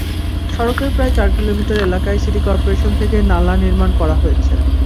সড়কের প্রায় চার কিলোমিটার এলাকায় সিটি করপোরেশন থেকে নালা নির্মাণ করা হয়েছে।